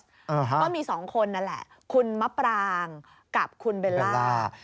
ก็มี๒คนนั่นแหละคุณมะปรางกับคุณเบลล่า